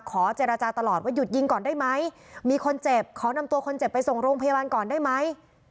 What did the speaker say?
ขอเจรจาตลอดว่าหยุดยิงก่อนได้ไหมมีคนเจ็บขอนำตัวคนเจ็บไปส่งโรงพยาบาลก่อนได้ไหม